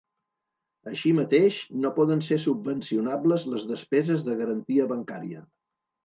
Així mateix, no poden ser subvencionables les despeses de garantia bancària.